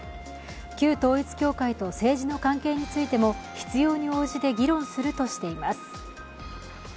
旧統一教会と政治の関係についても、必要に応じて議論するとしています。